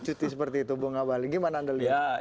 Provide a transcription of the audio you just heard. cuti seperti itu bung abalin gimana anda lihat